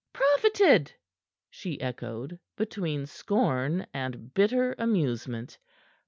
"Profited?" she echoed, between scorn and bitter amusement.